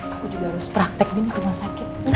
aku juga harus praktek di rumah sakit